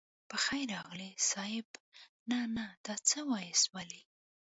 په خير راغلئ صيب نه نه دا څه واياست ولې.